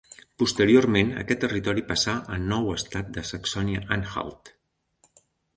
Posteriorment aquest territori passà a nou estat de Saxònia-Anhalt.